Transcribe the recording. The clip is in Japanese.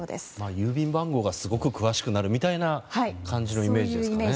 郵便番号がすごく詳しくなるみたいな感じのイメージですかね。